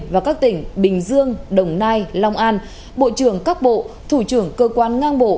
và các tỉnh bình dương đồng nai long an bộ trưởng các bộ thủ trưởng cơ quan ngang bộ